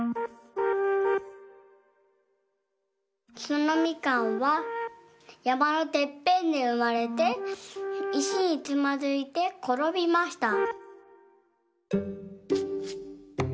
そのみかんはやまのてっぺんでうまれていしにつまずいてころびました。